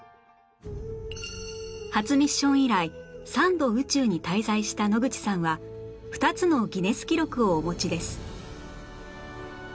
初ミッション以来３度宇宙に滞在した野口さんは２つのギネス記録をお持ちです